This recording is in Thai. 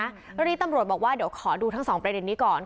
เรื่องนี้ตำรวจบอกว่าเดี๋ยวขอดูทั้งสองประเด็นนี้ก่อน